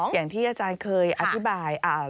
อย่างที่อาจารย์เคยอธิบาย